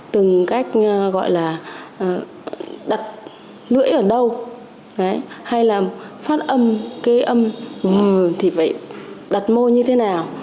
từng cách gọi là đặt lưỡi ở đâu hay là phát âm cây âm thì phải đặt mô như thế nào